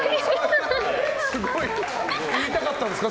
すごい。言いたかったんですか？